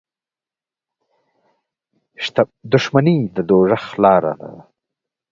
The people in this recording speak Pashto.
• دښمني د دوزخ لاره ده.